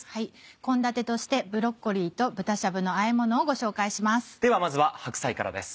献立としてブロッコリーと豚しゃぶのあえものをご紹介します。